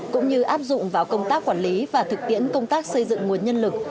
cũng như áp dụng vào công tác quản lý và thực tiễn công tác xây dựng nguồn nhân lực